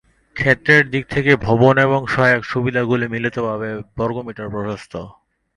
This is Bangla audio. ক্ষেত্রের দিক থেকে, ভবন এবং সহায়ক সুবিধাগুলি মিলিতভাবে বর্গমিটার প্রশস্ত।